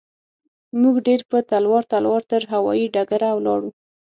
موږ ډېر په تلوار تلوار تر هوايي ډګره ولاړو.